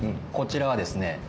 こちらはですね